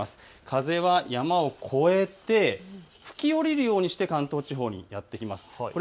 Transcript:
風は山を越えて吹き降りるようにして関東平野にやって来ます。